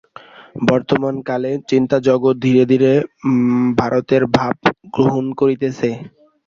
বর্তমানকালে চিন্তাজগৎ ধীরে ধীরে ভারতের ভাব গ্রহণ করিতেছে।